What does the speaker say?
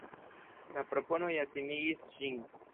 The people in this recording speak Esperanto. La propono ja timigis ŝin.